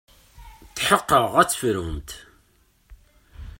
Tḥeqqeɣ ad terfumt.